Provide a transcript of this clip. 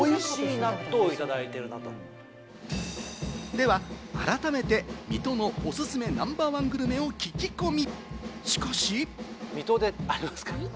では、改めて水戸のおすすめナンバー１グルメを聞き込み。